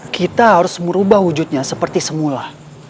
kita harus merubah wujudnya seperti semula